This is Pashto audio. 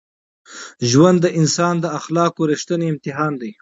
ژوند د انسان د اخلاقو رښتینی امتحان دی.